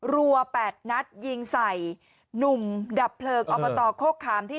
รัวแปดนัดยิงใส่นุ่มดับเผลอออกมาต่อโครขคามที่